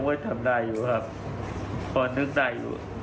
ผมไม่ทำได้อยู่ครับผมควรนึกได้อยู่